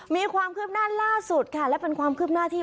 มีความคืบหน้าล่าสุดค่ะและเป็นความคืบหน้าที่